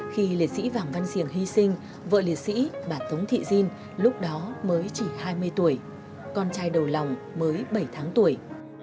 khi liệt sĩ vàng văn siềng hy sinh vợ liệt sĩ bà tống thị diên lúc đó mới chỉ hai mươi tuổi con trai đầu lòng mới bảy tháng tuổi